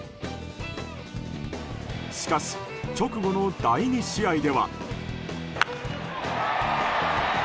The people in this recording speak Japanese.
しかし、直後の第２試合では。